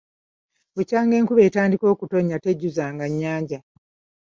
Bukyanga enkuba etandika kutonnya tejjuzanga nnyanja.